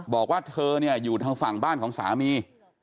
บอกว่าเธอเนี่ยอยู่ทางฝั่งบ้านของสามี